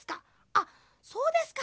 あっそうですか。